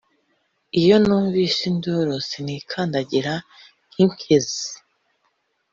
iyo numvise induru sinikandagira nk'inkenzi